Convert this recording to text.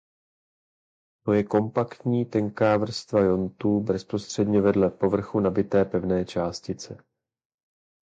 To je kompaktní tenká vrstva iontů bezprostředně vedle povrchu nabité pevné částice.